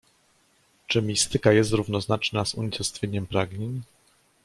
"Czy mistyka jest równoznaczna z unicestwieniem pragnień?"